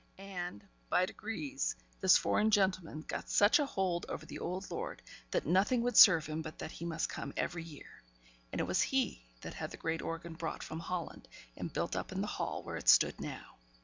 And, by degrees, this foreign gentleman got such a hold over the old lord, that nothing would serve him but that he must come every year; and it was he that had the great organ brought from Holland, and built up in the hall, where it stood now.